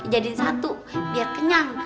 jadiin satu biar kenyang